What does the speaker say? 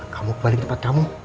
kamu kembali ke tempat kamu